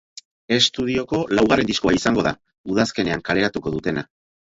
Estudioko laugarren diskoa izango da udazkenean kaleratuko dutena.